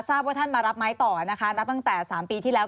ทราบว่าท่านมารับไม้ต่อนะคะนับตั้งแต่๓ปีที่แล้ว